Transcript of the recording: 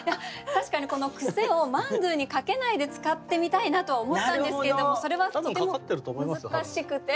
確かにこの「クセ」を「マンドゥ」にかけないで使ってみたいなとは思ったんですけどそれはとても難しくて。